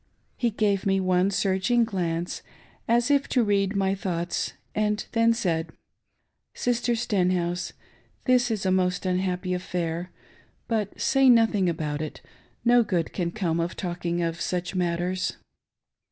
He gave me one searching glance, as if to read my thoughts, and then said :" Sister Stenhouse, this is a most unhappy affair, but say nothing about it — no good can come of talking of such matters."